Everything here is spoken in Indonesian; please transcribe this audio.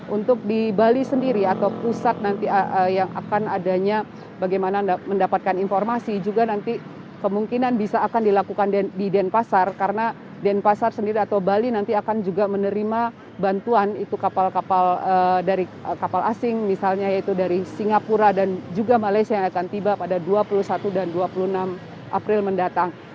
untuk di bali sendiri atau pusat nanti yang akan adanya bagaimana mendapatkan informasi juga nanti kemungkinan bisa akan dilakukan di denpasar karena denpasar sendiri atau bali nanti akan juga menerima bantuan itu kapal kapal dari kapal asing misalnya yaitu dari singapura dan juga malaysia yang akan tiba pada dua puluh satu dan dua puluh enam april mendatang